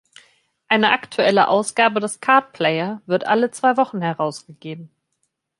Eine aktuelle Ausgabe des "Card Player" wird alle zwei Wochen herausgegeben.